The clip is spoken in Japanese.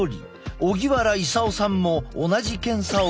荻原功さんも同じ検査を受ける。